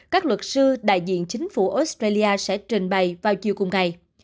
các luật sư đại diện chính phủ australia sẽ trình bày vào chiều cùng ngày